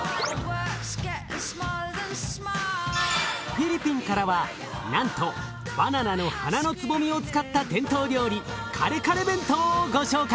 フィリピンからはなんとバナナの花のつぼみを使った伝統料理カレカレ弁当をご紹介。